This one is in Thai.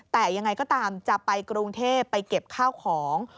แต่ยังไงก็ตามจะไปกรุงเทพไปเก็บข้าวของ